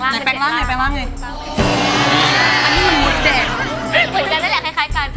เหมือนกันคลัยกัน